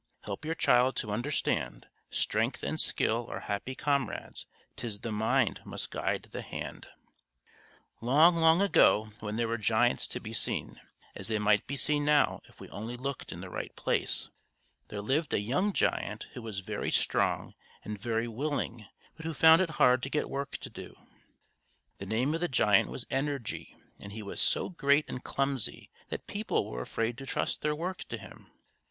Help your child to understand, Strength and skill are happy comrades; 'Tis the mind must guide the hand_. Long, long ago, when there were giants to be seen, as they might be seen now if we only looked in the right place, there lived a young giant who was very strong and very willing, but who found it hard to get work to do. The name of the giant was Energy, and he was so great and clumsy that people were afraid to trust their work to him.